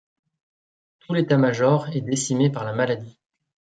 Tout l'état-major est décimé par la maladie.